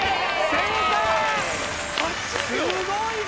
すごいね！